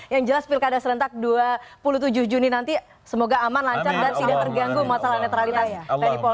yang jelas pilkada serentak dua puluh tujuh juni nanti semoga aman lancar dan tidak terganggu masalah netralitas